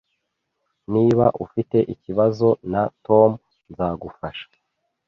Niba ufite ikibazo na Tom, nzagufasha